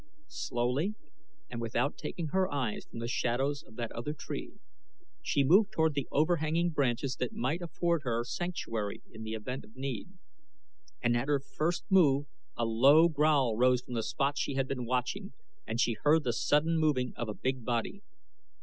Slowly, and without taking her eyes from the shadows of that other tree, she moved toward the overhanging branches that might afford her sanctuary in the event of need, and at her first move a low growl rose from the spot she had been watching and she heard the sudden moving of a big body.